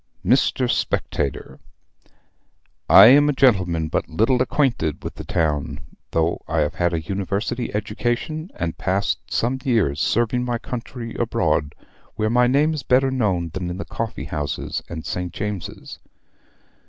"MR. SPECTATOR, I am a gentleman but little acquainted with the town, though I have had a university education, and passed some years serving my country abroad, where my name is better known than in the coffee house and St. James's.